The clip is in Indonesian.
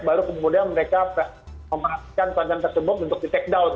baru kemudian mereka memanfaatkan konten tersebut untuk di take down